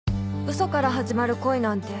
嘘から始まる恋なんて